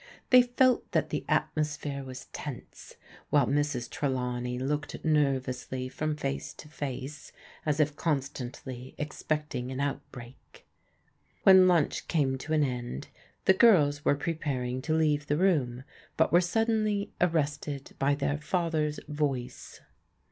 They felt that the atmosphere was tense, while Mrs. Trelawney looked nervously from face to face as if constantly expecting an outbreak. When lunch came to an end the girls were preparing to leave the room but were suddenly arrested by their father's voice.